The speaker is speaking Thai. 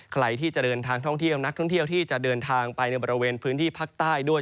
ใครที่จะเดินทางท่องเที่ยวนักท่องเที่ยวที่จะเดินทางไปในบริเวณพื้นที่ภาคใต้ด้วย